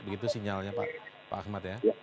begitu sinyalnya pak ahmad ya